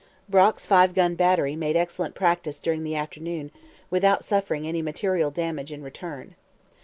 Brock's five gun battery made excellent practice during the afternoon without suffering any material damage in return.